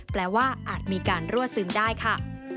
ว่าอาจมีการรั่วซึมได้ค่ะ